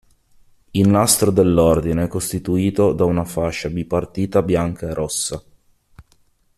Il "nastro" dell'ordine è costituito da una fascia bipartita bianca e rossa.